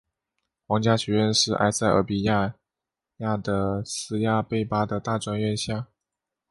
皇家学院是埃塞俄比亚亚的斯亚贝巴的大专院校。